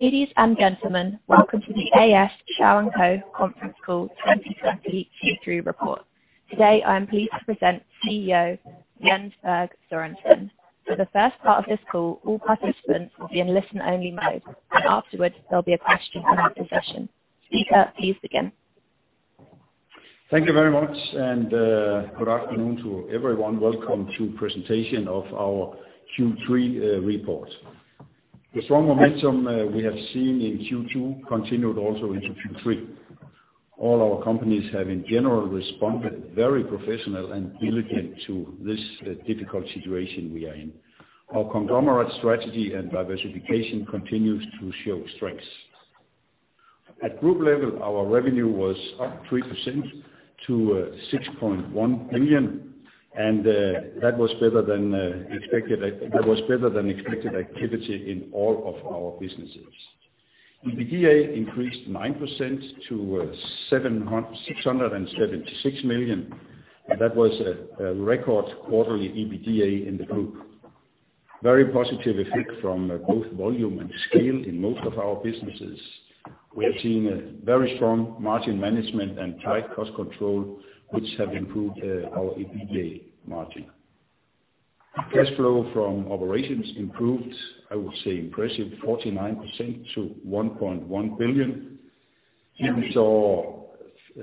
Ladies and gentlemen, welcome to the A/S Schouw & Co. conference call 2020 Q3 report. Today, I am pleased to present CEO Jens Bjerg Sørensen. For the first part of this call, all participants will be in listen-only mode, and afterwards there will be a question and answer session. Thank you very much, and good afternoon to everyone. Welcome to presentation of our Q3 report. The strong momentum we have seen in Q2 continued also into Q3. All our companies have in general responded very professional and diligent to this difficult situation we are in. Our conglomerate strategy and diversification continues to show strengths. At group level, our revenue was up 3% to 6.1 billion and that was better than expected activity in all of our businesses. EBITDA increased 9% to 676 million, and that was a record quarterly EBITDA in the group. Very positive effect from both volume and scale in most of our businesses. We have seen a very strong margin management and tight cost control, which have improved our EBITDA margin. Cash flow from operations improved, I would say impressive 49% to 1.1 billion. Here we saw a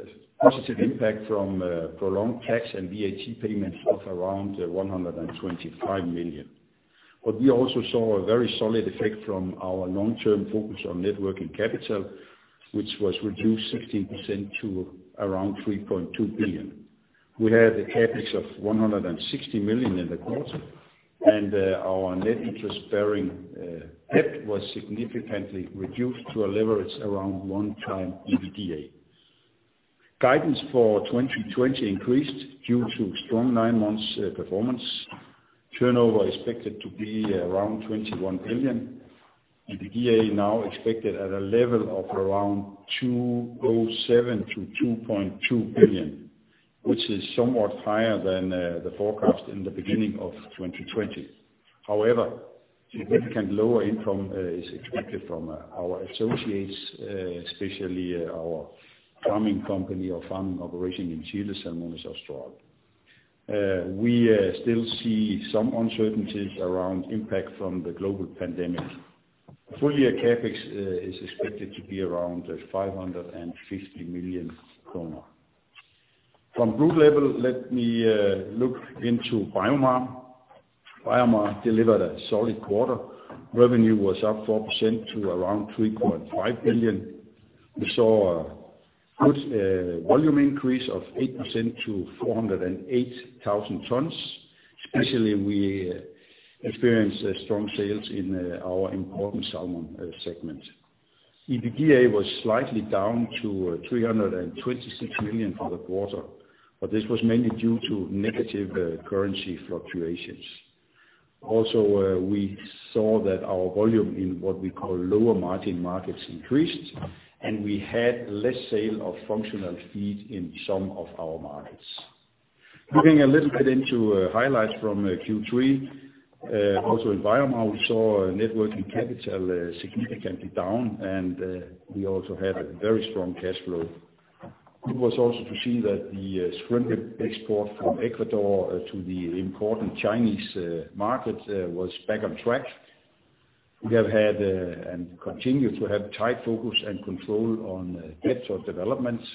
positive impact from prolonged tax and VAT payments of around 125 million. We also saw a very solid effect from our long-term focus on net working capital, which was reduced 16% to around 3.2 billion. We had a CapEx of 160 million in the quarter, and our net interest-bearing debt was significantly reduced to a leverage around one time EBITDA. Guidance for 2020 increased due to strong nine months performance. Turnover expected to be around 21 billion. EBITDA now expected at a level of around 2.07 billion-2.2 billion, which is somewhat higher than the forecast in the beginning of 2020. However, significant lower income is expected from our associates, especially our farming company or farming operation in Chile, Salmones Austral. We still see some uncertainties around impact from the global pandemic. Full year CapEx is expected to be around 550 million. From group level, let me look into BioMar. BioMar delivered a solid quarter. Revenue was up 4% to around 3.5 billion. We saw a good volume increase of 8% to 408,000 tons. Especially, we experienced strong sales in our important salmon segment. EBITDA was slightly down to 326 million for the quarter, but this was mainly due to negative currency fluctuations. Also, we saw that our volume in what we call lower margin markets increased, and we had less sale of functional feed in some of our markets. Looking a little bit into highlights from Q3, also in BioMar, we saw net working capital significantly down and we also had a very strong cash flow. It was also to see that the shrimp export from Ecuador to the important Chinese market was back on track. We have had, and continue to have, tight focus and control on debt or developments.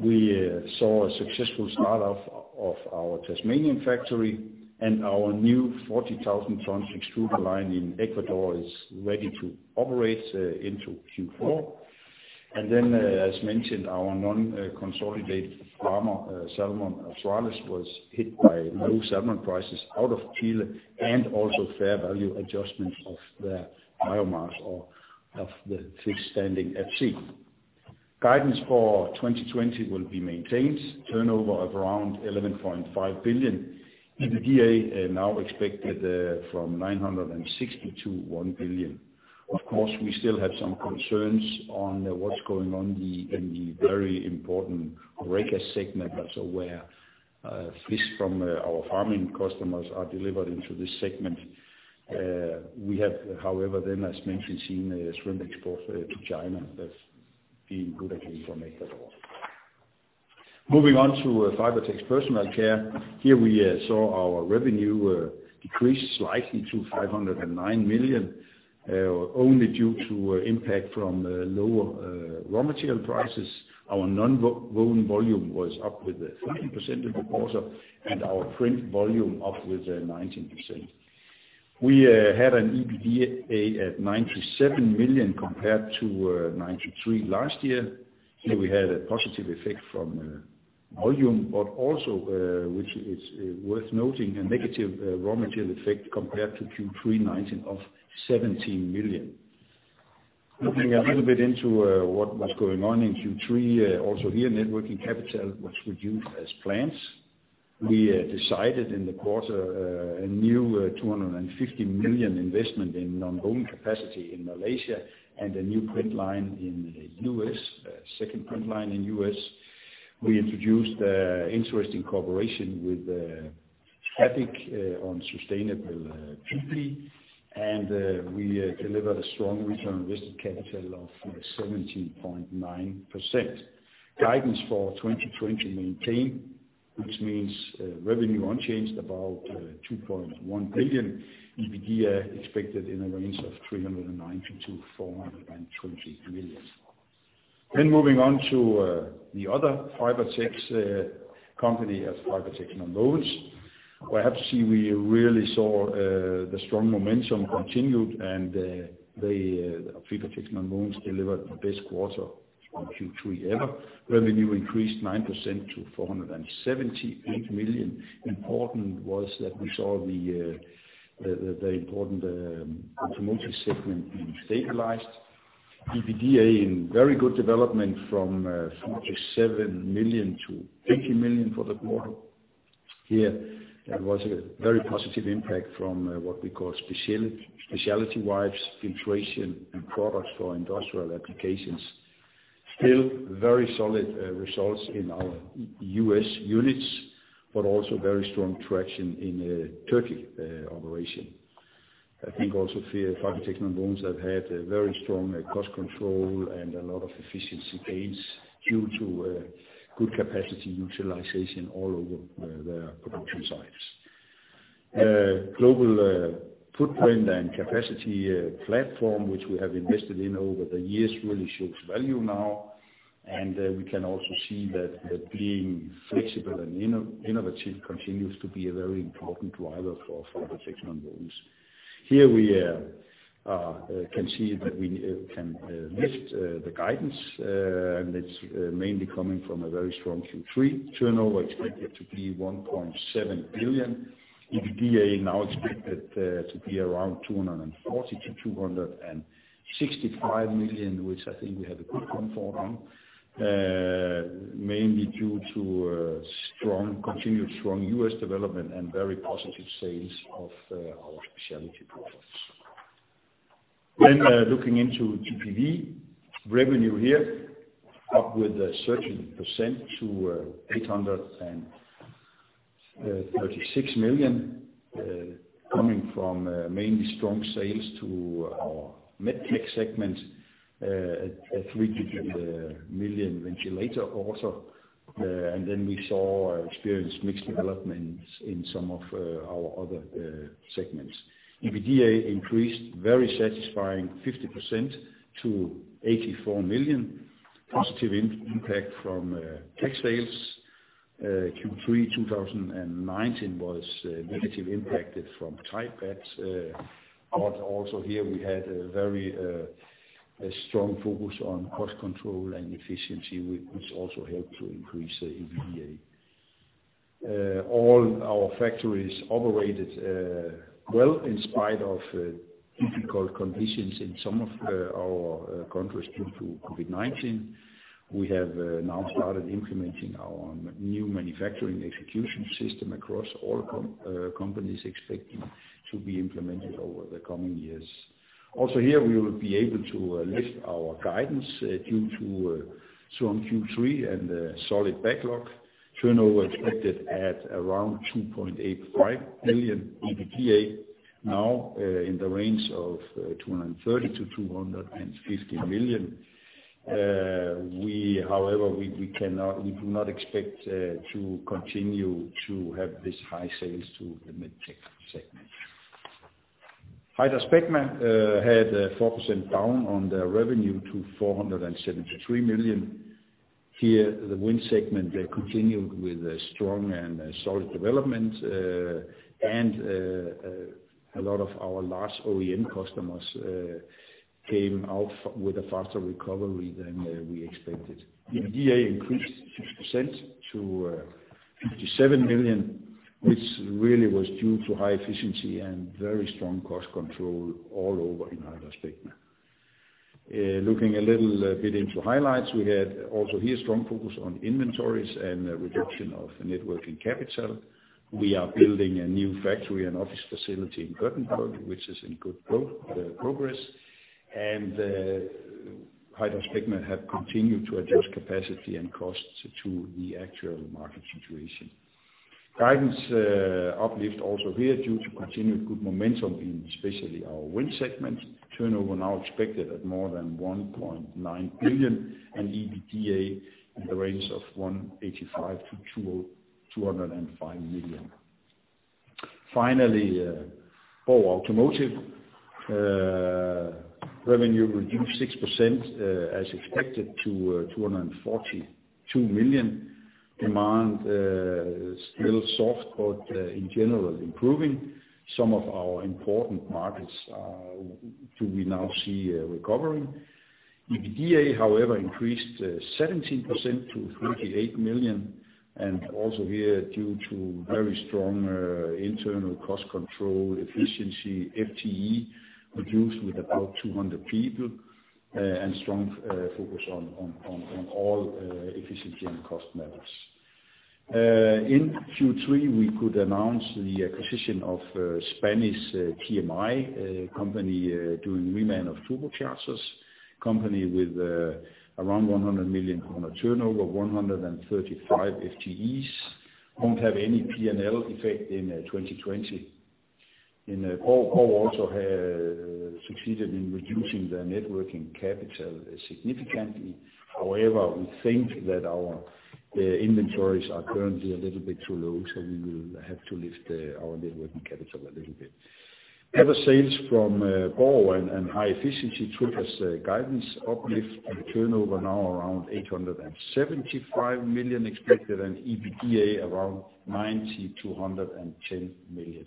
We saw a successful start of our Tasmanian factory, and our new 40,000 tons extruder line in Ecuador is ready to operate into Q4. As mentioned, our non-consolidated farmer, Salmones Austral, was hit by low salmon prices out of Chile and also fair value adjustments of the BioMar, or of the fish standing at sea. Guidance for 2020 will be maintained, turnover of around 11.5 billion. EBITDA now expected from 960 million to 1 billion. Of course, we still have some concerns on what's going on in the very important HoReCa segment, that's where fish from our farming customers are delivered into this segment. We have, however, as mentioned, seen a shrimp export to China that's been good actually from Ecuador. Moving on to Fibertex Personal Care. Here we saw our revenue decrease slightly to 509 million, only due to impact from lower raw material prices. Our nonwoven volume was up with 13% in the quarter, and our print volume up with 19%. We had an EBITDA at 97 million compared to 93 last year. Here we had a positive effect from volume, but also, which is worth noting, a negative raw material effect compared to Q3 2019 of 17 million. Looking a little bit into what was going on in Q3, also here net working capital was reduced as plans. We decided in the quarter a new 250 million investment in nonwoven capacity in Malaysia and a new print line in the U.S., second print line in U.S. We introduced interesting cooperation with Aplix on sustainable Q3, and we delivered a strong return on risk capital of 17.9%. Guidance for 2020 maintained, which means revenue unchanged, about 2.1 billion. EBITDA expected in a range of 390 million-420 million. Moving on to the other Fibertex company, that's Fibertex Nonwovens, where I have to say, we really saw the strong momentum continued and the Fibertex Nonwovens delivered the best quarter in Q3 ever. Revenue increased 9% to 478 million. Important was that we saw the important automotive segment being stabilized. EBITDA in very good development from 47 million to 80 million for the quarter. Here, there was a very positive impact from what we call specialty wipes, filtration, and products for industrial applications. Still very solid results in our U.S. units, but also very strong traction in Turkey operation. I think also Fibertex Nonwovens have had a very strong cost control and a lot of efficiency gains due to good capacity utilization all over their production sites. Global footprint and capacity platform, which we have invested in over the years, really shows value now. We can also see that being flexible and innovative continues to be a very important driver for Fibertex Nonwovens. Here we can see that we can lift the guidance, and it's mainly coming from a very strong Q3 turnover expected to be 1.7 billion. EBITDA now expected to be around 240 million-265 million, which I think we have a good comfort on. Mainly due to continued strong U.S. development and very positive sales of our specialty products. Looking into GPV. Revenue here up with 13% to 836 million, coming from mainly strong sales to our MedTech segment, a three-digit million ventilator order. We experienced mixed developments in some of our other segments. EBITDA increased very satisfying 50% to 84 million. Positive impact from tech sales. Q3 2019 was negatively impacted from Thai baht. Also here we had a very strong focus on cost control and efficiency, which also helped to increase the EBITDA. All our factories operated well in spite of difficult conditions in some of our countries due to COVID-19. We have now started implementing our new manufacturing execution system across all companies, expecting to be implemented over the coming years. Also here, we will be able to lift our guidance due to strong Q3 and solid backlog. Turnover expected at around 2.85 billion. EBITDA now in the range of 230 million-250 million. However, we do not expect to continue to have this high sales to the MedTech segment. HydraSpecma had 4% down on their revenue to 473 million. Here, the wind segment continued with a strong and solid development. A lot of our last OEM customers came out with a faster recovery than we expected. EBITDA increased 6% to 57 million, which really was due to high efficiency and very strong cost control all over in HydraSpecma. Looking a little bit into highlights. We had also here strong focus on inventories and reduction of net working capital. We are building a new factory and office facility in Gothenburg, which is in good progress. HydraSpecma have continued to adjust capacity and costs to the actual market situation. Guidance uplift also here due to continued good momentum in especially our wind segment. Turnover now expected at more than 1.9 billion and EBITDA in the range of 185 million-205 million. Finally, Borg Automotive. Revenue reduced 6% as expected to 242 million. Demand is still soft, but in general improving. Some of our important markets do we now see recovering. EBITDA, however, increased 17% to 38 million, and also here due to very strong internal cost control efficiency, FTE reduced with about 200 people, and strong focus on all efficiency and cost matters. In Q3, we could announce the acquisition of Spanish TMI company doing reman of turbochargers. Company with around 100 million turnover, 135 FTEs. Won't have any P&L effect in 2020. Borg also has succeeded in reducing the net working capital significantly. However, we think that our inventories are currently a little bit too low, so we will have to lift our net working capital a little bit. Other sales from Borg and high efficiency took us guidance uplift and turnover now around 875 million expected and EBITDA around 90 million-110 million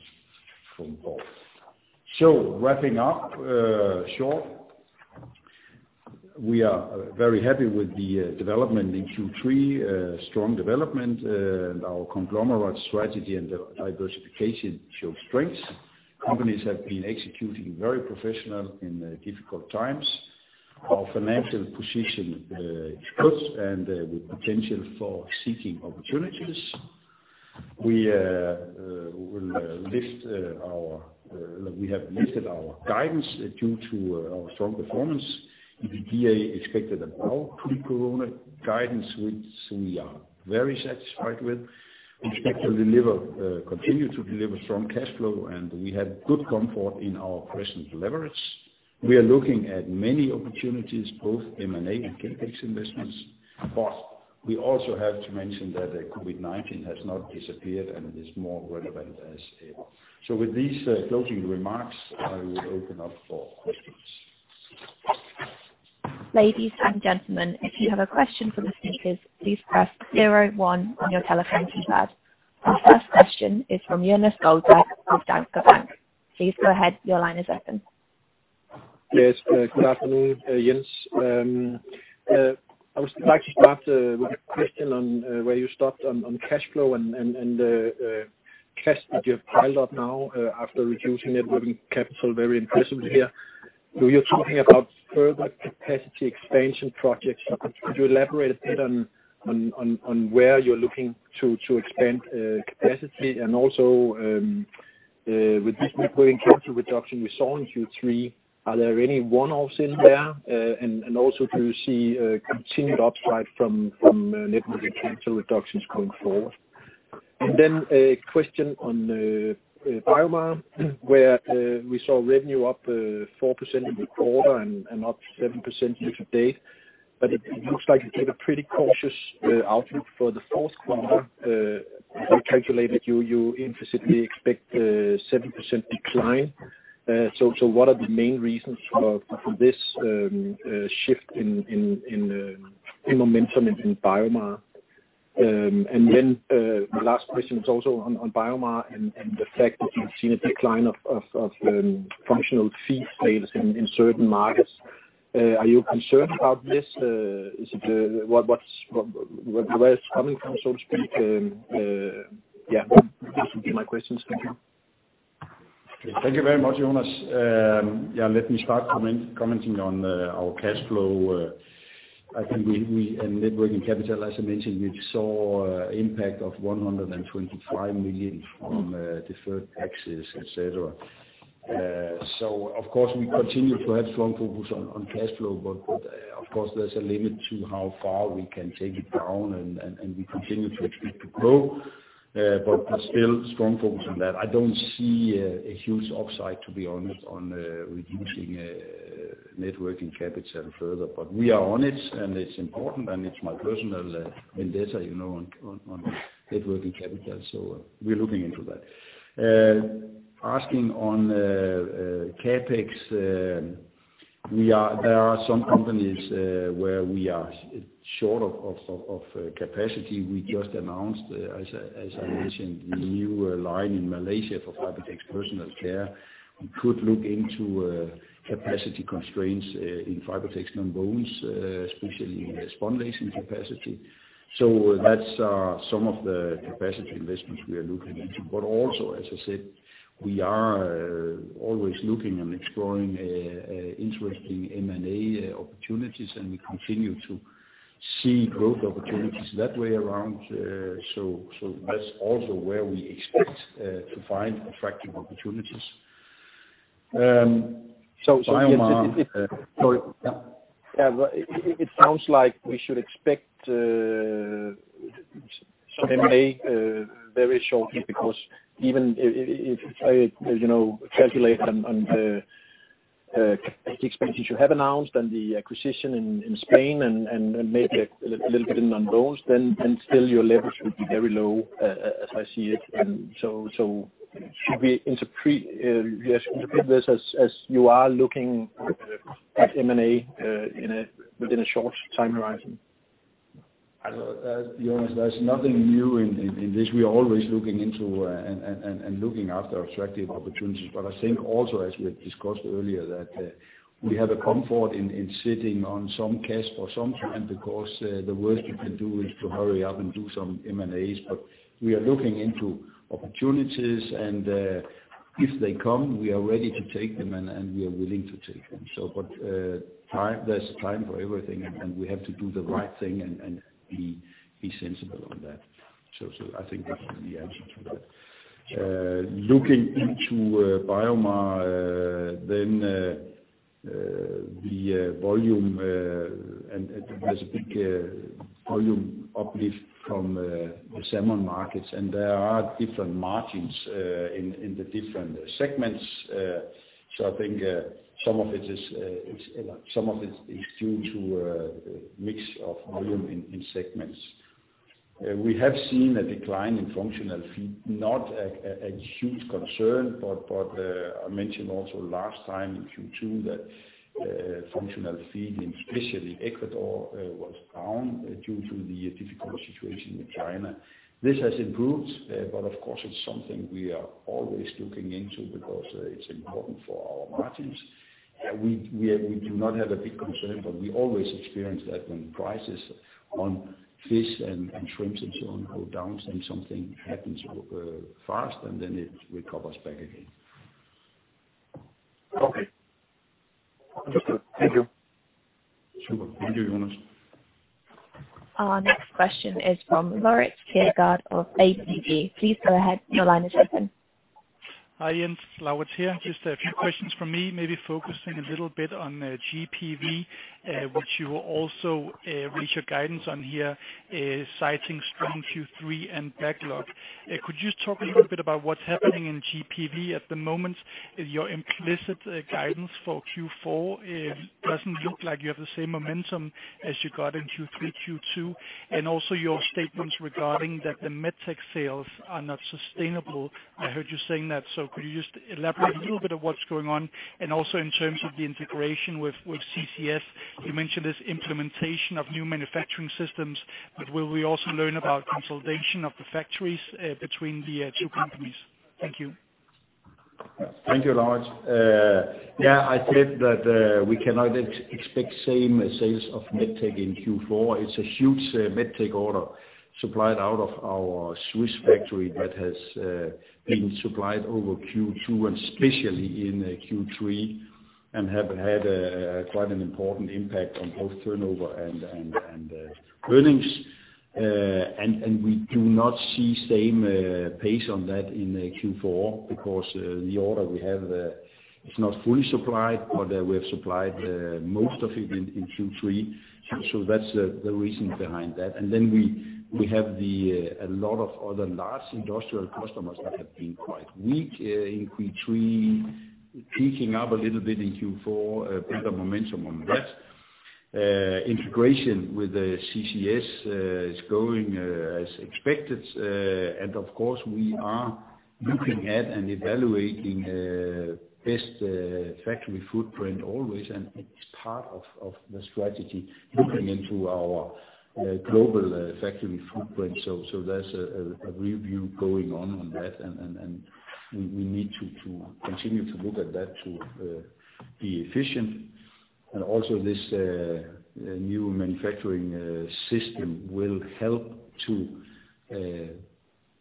from Borg. Wrapping up short, we are very happy with the development in Q3, strong development and our conglomerate strategy and diversification show strengths. Companies have been executing very professional in difficult times. Our financial position is good and with potential for seeking opportunities. We have lifted our guidance due to our strong performance. EBITDA expected above pre-COVID-19 guidance, which we are very satisfied with. We expect to continue to deliver strong cash flow, and we have good comfort in our present leverage. We are looking at many opportunities, both M&A and CapEx investments. We also have to mention that COVID-19 has not disappeared and is more relevant as ever. With these closing remarks, I will open up for questions. Ladies and gentlemen, if you have a question for the speakers, please press zero one on your telephone keypad. The first question is from Jonas Guldborg with Danske Bank. Please go ahead. Your line is open. Yes. Good afternoon, Jens. I would like to start with a question on where you stopped on cash flow and the cash that you have piled up now after reducing net working capital, very impressive to hear. You're talking about further capacity expansion projects. Could you elaborate a bit on where you're looking to expand capacity and also with this net working capital reduction we saw in Q3, are there any one-offs in there? Do you see a continued upside from net working capital reductions going forward? A question on BioMar, where we saw revenue up 4% in the quarter and up 7% year to date, but it looks like you gave a pretty cautious outlook for the fourth quarter. We calculated you implicitly expect 7% decline. What are the main reasons for this shift in momentum in BioMar? The last question is also on BioMar and the fact that you've seen a decline of functional feed sales in certain markets. Are you concerned about this? Where is it coming from, so to speak? Yeah, those would be my questions. Thank you. Thank you very much, Jonas. Let me start commenting on our cash flow. I think we, and net working capital, as I mentioned, we saw impact of 125 million from deferred taxes, et cetera. Of course, we continue to have strong focus on cash flow, but of course, there's a limit to how far we can take it down, and we continue to expect to grow. There's still strong focus on that. I don't see a huge upside, to be honest, on reducing net working capital further, but we are on it, and it's important, and it's my personal vendetta on net working capital. We're looking into that. Asking on CapEx, there are some companies where we are short of capacity. We just announced, as I mentioned, the new line in Malaysia for Fibertex Personal Care. We could look into capacity constraints in Fibertex Nonwovens, especially in spunlacing capacity. That's some of the capacity investments we are looking into. Also, as I said, we are always looking and exploring interesting M&A opportunities, and we continue to see growth opportunities that way around. That's also where we expect to find attractive opportunities. BioMar. Sorry. Yeah. It sounds like we should expect some M&A very shortly, because even if I calculate on the CapEx expenses you have announced and the acquisition in Spain and maybe a little bit in Nonwovens, then still your leverage would be very low as I see it. Should we interpret this as you are looking at M&A within a short time horizon? Jonas, there's nothing new in this. We are always looking into and looking after attractive opportunities. I think also as we have discussed earlier, that we have a comfort in sitting on some cash for some time, because the worst you can do is to hurry up and do some M&As. We are looking into opportunities, and if they come, we are ready to take them, and we are willing to take them. There's time for everything, and we have to do the right thing and be sensible on that. I think that's the answer to that. Looking into BioMar. The volume and there's a big volume uplift from the salmon markets, and there are different margins in the different segments. I think some of it is due to a mix of volume in segments. We have seen a decline in functional feed, not a huge concern, but I mentioned also last time in Q2 that functional feed, especially Ecuador, was down due to the difficult situation with China. This has improved, but of course, it's something we are always looking into because it's important for our margins. We do not have a big concern, but we always experience that when prices on fish and shrimps and so on go down, then something happens fast, and then it recovers back again. Okay. Understood. Thank you. Sure. Thank you, Jonas. Our next question is from Laurits Kjaergaard of ABG. Please go ahead. Your line is open. Hi, Jens. Laurits here. Just a few questions from me, maybe focusing a little bit on the GPV, which you will also reach your guidance on here, citing strong Q3 and backlog. Could you just talk a little bit about what's happening in GPV at the moment? Your implicit guidance for Q4 doesn't look like you have the same momentum as you got in Q3, Q2, and also your statements regarding that the MedTech sales are not sustainable. I heard you saying that. Could you just elaborate a little bit of what's going on and also in terms of the integration with CCS? You mentioned this implementation of new manufacturing systems, but will we also learn about consolidation of the factories between the two companies? Thank you. Thank you, Laurits. Yeah, I said that we cannot expect same sales of MedTech in Q4. It's a huge MedTech order supplied out of our Swiss factory that has been supplied over Q2 and especially in Q3 and have had quite an important impact on both turnover and earnings. We do not see same pace on that in Q4 because the order we have is not fully supplied, or that we have supplied most of it in Q3. That's the reason behind that. We have a lot of other large industrial customers that have been quite weak in Q3, picking up a little bit in Q4, better momentum on that. Integration with the CCS is going as expected. Of course, we are looking at and evaluating best factory footprint always, and it's part of the strategy, looking into our global factory footprint. There's a review going on on that, and we need to continue to look at that to be efficient. Also, this new manufacturing system will help to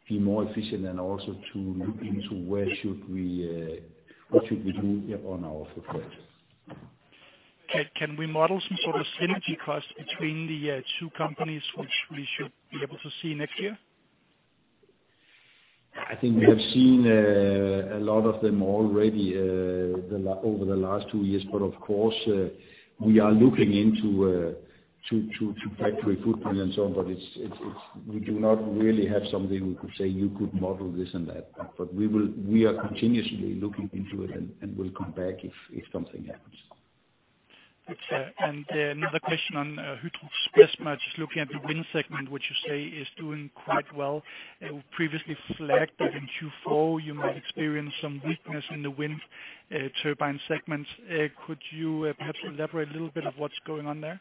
be more efficient and also to look into what should we do on our footprint. Can we model some sort of synergy cost between the two companies, which we should be able to see next year? I think we have seen a lot of them already over the last two years. Of course, we are looking into factory footprint and so on, but we do not really have something we could say you could model this and that. We are continuously looking into it and will come back if something happens. Another question on HydraSpecma, just looking at the wind segment, which you say is doing quite well. You previously flagged that in Q4 you might experience some weakness in the wind turbine segment. Could you perhaps elaborate a little bit of what's going on there?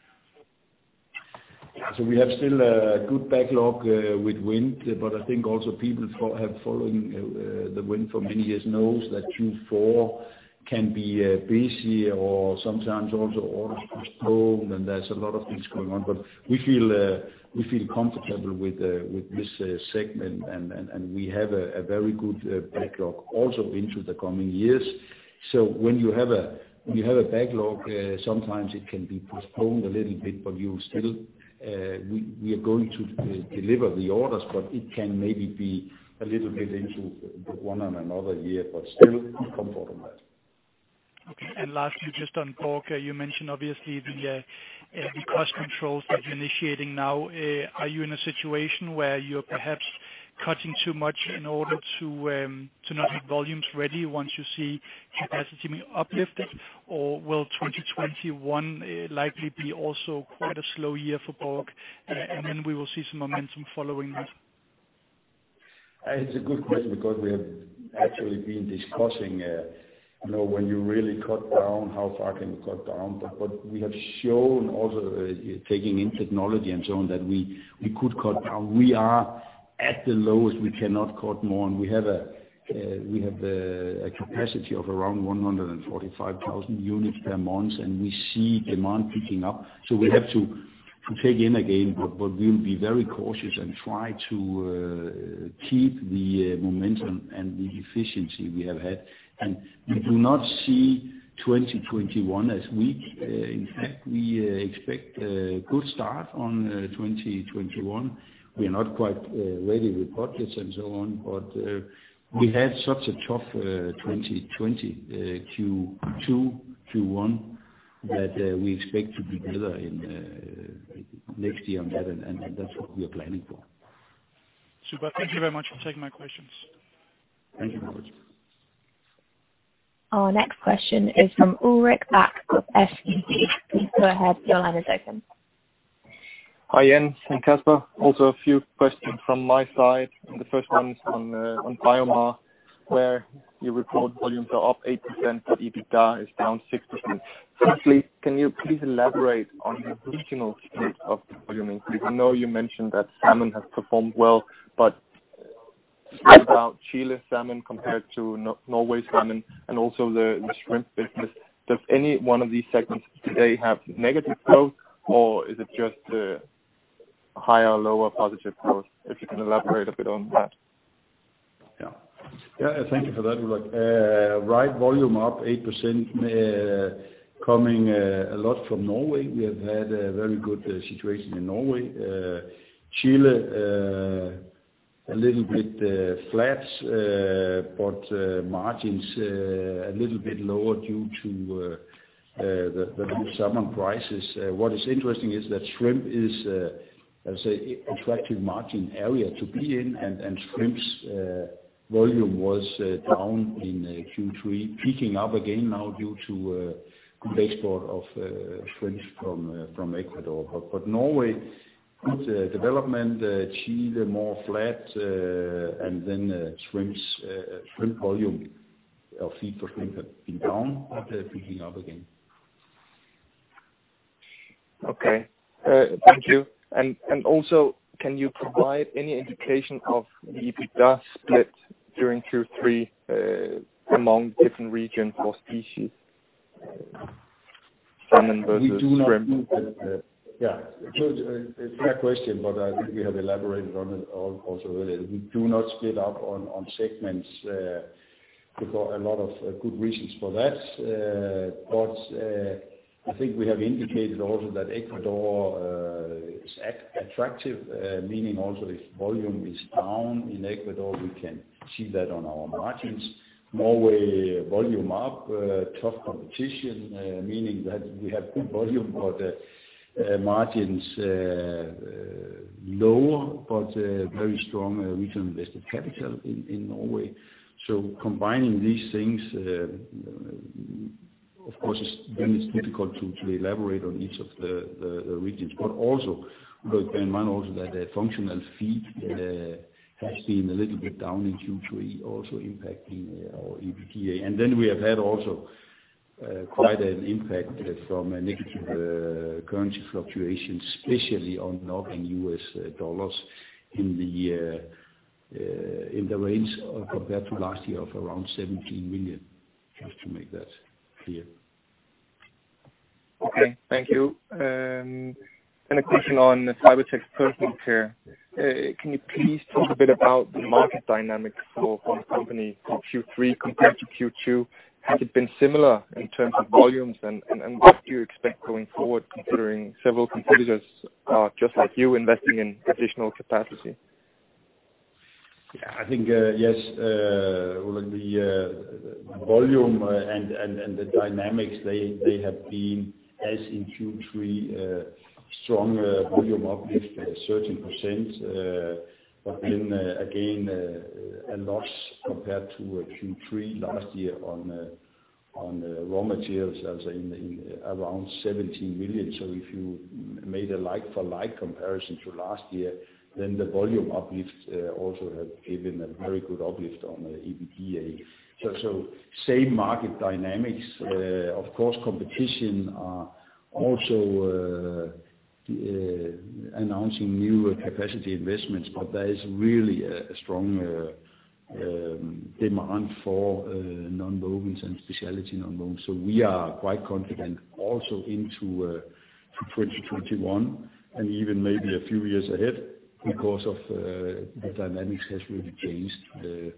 We have still a good backlog with wind, but I think also people have following the wind for many years knows that Q4 can be busy or sometimes also orders are slow, and there's a lot of things going on. We feel comfortable with this segment, and we have a very good backlog also into the coming years. When you have a backlog, sometimes it can be postponed a little bit, but we are going to deliver the orders, but it can maybe be a little bit into one and another year, but still comfortable with that. Okay. Lastly, just on Borg, you mentioned obviously the cost controls that you're initiating now. Are you in a situation where you're perhaps cutting too much in order to not have volumes ready once you see capacity being uplifted? Will 2021 likely be also quite a slow year for Borg, and then we will see some momentum following that? It's a good question because we have actually been discussing when you really cut down, how far can we cut down? We have shown also taking in technology and so on that we could cut down. We are at the lowest. We cannot cut more, and we have the capacity of around 145,000 units per month, and we see demand picking up. We have to take in again, but we'll be very cautious and try to keep the momentum and the efficiency we have had. We do not see 2021. In fact, we expect a good start on 2021. We are not quite ready with budgets and so on. We had such a tough 2020 Q2, Q1, that we expect to be better next year on that. That's what we are planning for. Super. Thank you very much for taking my questions. Thank you, Laurits. Our next question is from Ulrik Bak of SEB. Please go ahead. Your line is open. Hi, Jens and Kasper. A few questions from my side. The first one is on BioMar, where your record volumes are up 8%, but EBITDA is down 60%. Firstly, can you please elaborate on the regional state of the volume increase? I know you mentioned that salmon has performed well. What about Chile salmon compared to Norway salmon and also the shrimp business? Does any one of these segments today have negative growth, or is it just a higher, lower positive growth? If you can elaborate a bit on that. Yeah. Thank you for that, Ulrik. Volume up 8%, coming a lot from Norway. We have had a very good situation in Norway. Chile, a little bit flat, but margins a little bit lower due to the low salmon prices. What is interesting is that shrimp is, I would say, attractive margin area to be in and shrimp's volume was down in Q3, picking up again now due to a base load of shrimps from Ecuador. Norway, good development. Chile, more flat, and then shrimp volume or feed for shrimp had been down, but picking up again. Okay. Thank you. Also, can you provide any indication of the EBITDA split during Q3 among different regions or species, salmon versus shrimp? Yeah. It's a fair question, I think we have elaborated on it also earlier. We do not split up on segments. We've got a lot of good reasons for that. I think we have indicated also that Ecuador is attractive, meaning also if volume is down in Ecuador, we can see that on our margins. Norway volume up, tough competition, meaning that we have good volume but margins lower, but a very strong return on invested capital in Norway. Combining these things, of course, then it's difficult to elaborate on each of the regions. Also, bear in mind also that the functional feed has been a little bit down in Q3, also impacting our EBITDA. We have had also quite an impact from a negative currency fluctuation, especially on NOK and U.S. dollars in the range compared to last year of around 17 million, just to make that clear. Okay. Thank you. A question on Fibertex Personal Care. Can you please talk a bit about the market dynamics for the company for Q3 compared to Q2? Has it been similar in terms of volumes? What do you expect going forward considering several competitors are just like you, investing in additional capacity? I think the volume and the dynamics they have been, as in Q3, strong volume uplift 13%, but then again, a loss compared to Q3 last year on raw materials, as in around 17 million. If you made a like for like comparison to last year, then the volume uplift also had given a very good uplift on the EBITDA. Same market dynamics, of course, competition are also announcing new capacity investments, but there is really a strong demand for nonwovens and specialty nonwovens. We are quite confident also into 2021 and even maybe a few years ahead because the dynamics has really changed.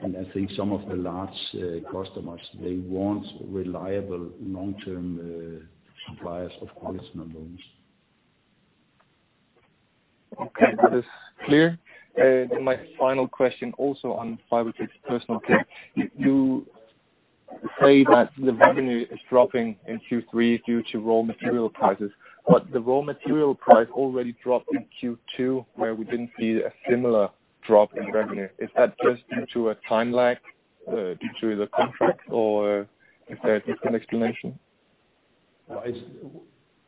I think some of the large customers, they want reliable long-term suppliers of quality standards. Okay. That is clear. My final question also on Fibertex Personal Care. You say that the revenue is dropping in Q3 due to raw material prices, but the raw material price already dropped in Q2 where we didn't see a similar drop in revenue. Is that just due to a time lag due to the contract or is there a different explanation?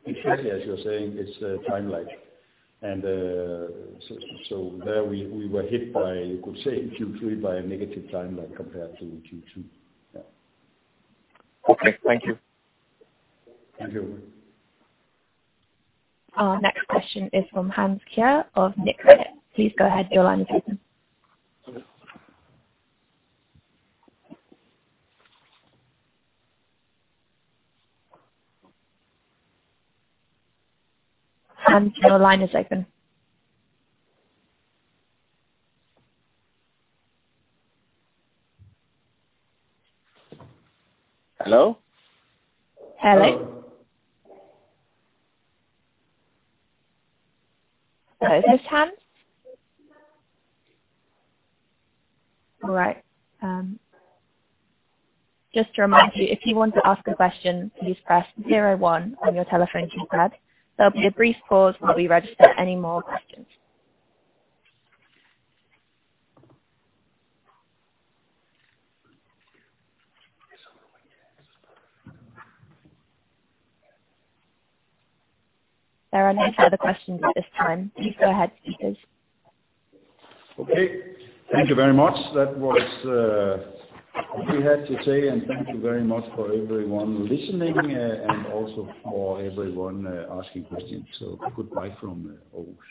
Exactly, as you're saying, it's a time lag. There we were hit by, you could say in Q3, by a negative time lag compared to Q2. Yeah. Okay. Thank you. Thank you, Ulrik. Our next question is from Hans Kjær of Nykredit. Please go ahead. Your line is open. Hans, your line is open. Hello? Hello. Is this Hans? All right. Just to remind you, if you want to ask a question, please press zero one on your telephone keypad. There'll be a brief pause while we register any more questions. There are no further questions at this time. Please go ahead, speakers. Okay. Thank you very much. That was what we had to say, and thank you very much for everyone listening and also for everyone asking questions. Goodbye from Aarhus.